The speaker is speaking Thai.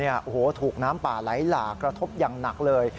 โอ้โหถูกน้ำป่าไหลหลากกระทบอย่างหนักเลย